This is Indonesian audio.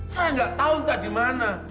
saya gak tau entah dimana